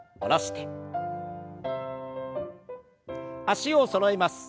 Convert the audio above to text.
脚をそろえます。